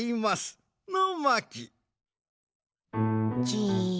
じ。